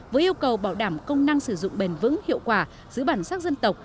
với yêu cầu bảo đảm công năng sử dụng bền vững hiệu quả giữ bản sắc dân tộc